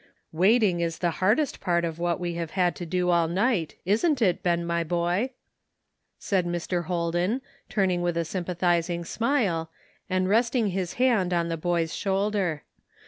"Waiting, is the hardest part of what we have had to do all night, isn't it, Ben, my boy?" said Mr. Holden, turning with a sympathizing smile, and resting his head on the boy's shoul der.